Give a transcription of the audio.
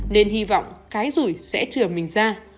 nên hy vọng cái rủi sẽ trường mình ra